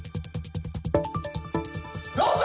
どうぞ！